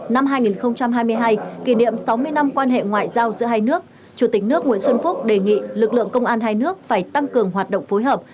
năm hai nghìn hai mươi hai kỷ niệm sáu mươi năm quan hệ ngoại giao giữa hai nước chủ tịch nước nguyễn xuân phúc đề nghị lực lượng công an hai nước phải tăng cường hoạt động phối hợp